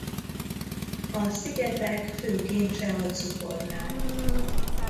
A szigetek fő kincse a cukornád.